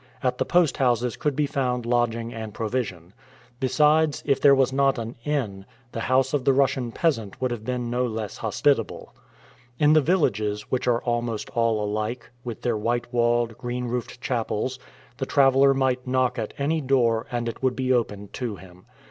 At the post houses could be found lodging and provision. Besides, if there was not an inn, the house of the Russian peasant would have been no less hospitable. In the villages, which are almost all alike, with their white walled, green roofed chapels, the traveler might knock at any door, and it would be opened to him.